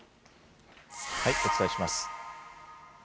お伝えします。